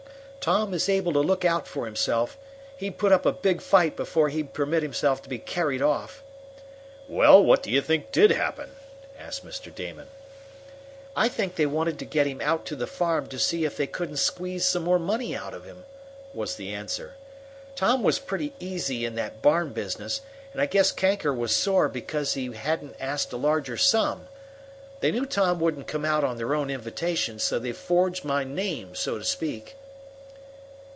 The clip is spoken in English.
"Tom is able to look out for himself. He'd put up a big fight before he'd permit himself to be carried off." "Well, what do you think did happen?" asked Mr. Damon. "I think they wanted to get him out to the farm to see if they couldn't squeeze some more money out of him," was the answer. "Tom was pretty easy in that barn business, and I guess Kanker was sore because he haven't asked a larger sum. They knew Tom wouldn't come out on their own invitation, so they forged my name, so to speak."